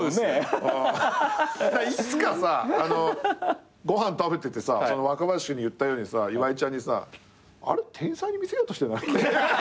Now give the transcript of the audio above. いつかさご飯食べてて若林君に言ったように岩井ちゃんに「あれ？天才に見せようとしてない？」